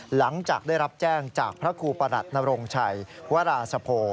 หลังจากได้รับแจ้งจากพระครูประหลัดนรงชัยวราสโพ